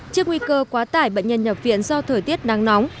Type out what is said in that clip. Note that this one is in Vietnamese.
trước nguy cơ quá tải bệnh nhân nhập viện do thời tiết nắng nóng